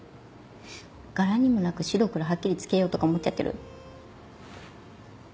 柄にもなく白黒はっきりつけようとか思っちゃってる？